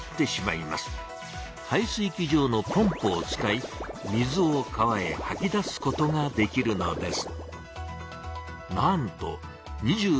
排水機場のポンプを使い水を川へはき出すことができるのです。